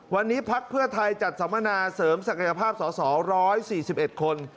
วันนี้พักเพื่อไทยจัดสัมมนาเสริมศักยภาพสส๑๔๑คน